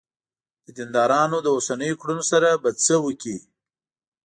د دیندارانو له اوسنیو کړنو سره به څه وکړې.